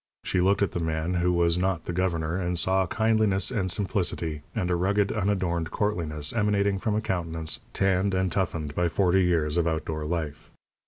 She looked at the man who was not the governor, and saw kindliness and simplicity and a rugged, unadorned courtliness emanating from a countenance tanned and toughened by forty years of outdoor life.